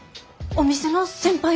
お店の先輩で。